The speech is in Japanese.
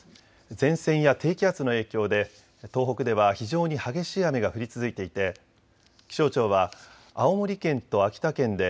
前線や低気圧の影響で東北では非常に激しい雨が降り続いていて気象庁は青森県と秋田県で